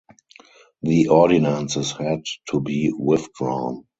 The ordinances had to be withdrawn.